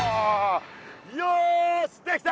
よしできた！